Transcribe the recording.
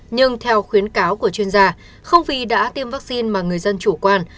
nhưng theo khuyến cáo của chuyên gia không vì đã tiêm vaccine mà người dân chủ quan